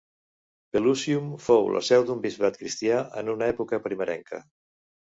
Pelusium fou la seu d'un bisbat cristià en una època primerenca.